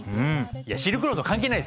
いやシルクロード関係ないですねこれ。